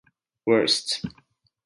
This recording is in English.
Worst.